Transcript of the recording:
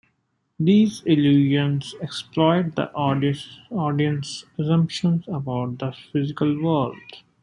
These illusions exploit the audience's assumptions about the physical world.